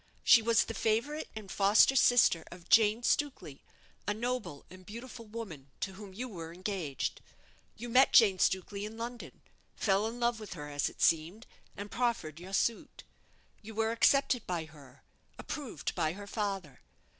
She was the favourite and foster sister of Jane Stukely, a noble and beautiful woman, to whom you were engaged. You met Jane Stukely in London, fell in love with her as it seemed, and preferred your suit. You were accepted by her approved by her father.